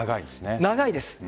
長いです。